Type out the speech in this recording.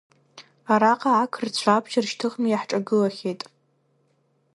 Араҟа ақырҭцәа абџьар шьҭыхны иаҳҿагылахьеит.